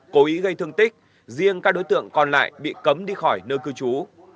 cố ý gây thương tích riêng các đối tượng còn lại bị cấm đi khỏi nơi cư trú